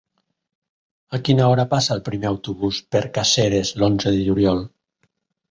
A quina hora passa el primer autobús per Caseres l'onze de juliol?